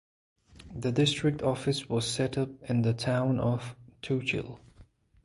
The district office was set up in the town of Tuchel (Tuchola).